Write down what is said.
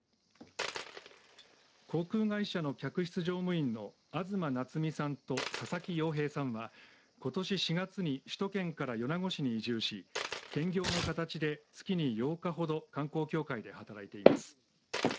航空会社の客室乗務員の東夏海さんと佐々木陽平さんはことし４月に首都圏から米子市に移住し兼業の形で月に８日ほど観光協会で働いています。